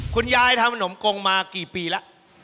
คุณยายทำขนมกงมากี่ปีแล้ว